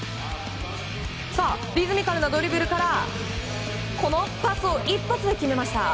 リズミカルなドリブルからパスを一発で決めました。